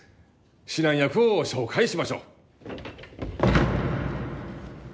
指南役を紹介しましょう。